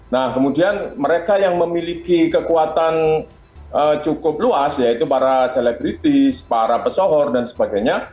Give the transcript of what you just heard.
nah kemudian mereka yang memiliki kekuatan cukup luas yaitu para selebritis para pesohor dan sebagainya